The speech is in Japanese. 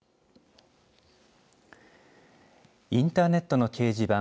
インターネットの掲示板２